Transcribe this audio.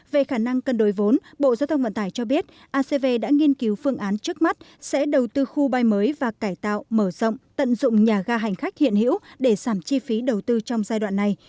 về khả năng cân đối vốn bộ giao thông vận tải cho biết acv đã nghiên cứu phương án trước mắt sẽ đầu tư khu bay mới và cải tạo mở rộng tận dụng nhà ga hành khách hiện hữu để giảm chi phí đầu tư trong giai đoạn này